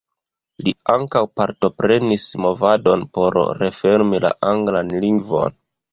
Li ankaŭ partoprenis movadon por reformi la anglan lingvon.